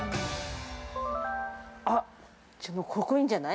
あ、ちょ、ここいいんじゃない？